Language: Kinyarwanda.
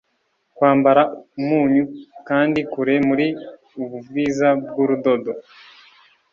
kwambara umunyu kandi kure muri ubu bwiza bwurudodo